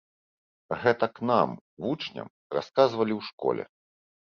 Гэтак нам, вучням, расказвалі ў школе.